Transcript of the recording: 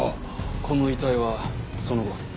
この遺体はその後。